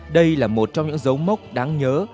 đây là một trong những dấu mốc đáng nhớ